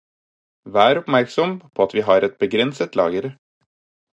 Vær oppmerksom på at vi har et begrenset lager.